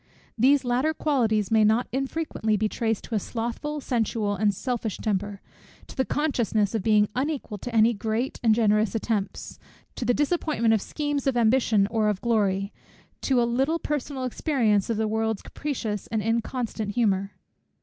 These latter qualities may not infrequently be traced to a slothful, sensual, and selfish temper; to the consciousness of being unequal to any great and generous attempts; to the disappointment of schemes of ambition or of glory; to a little personal experience of the world's capricious and inconstant humour.